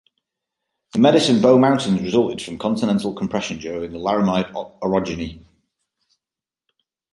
The Medicine Bow Mountains resulted from continental compression during the Laramide Orogeny.